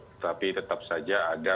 tetapi tetap saja ada